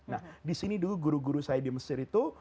nah disini dulu guru guru saya di mesir itu